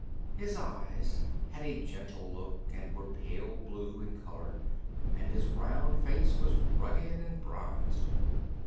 His eyes had a gentle look and were pale blue in color, and his round face was rugged and bronzed.